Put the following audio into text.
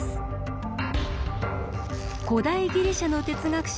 古代ギリシャの哲学者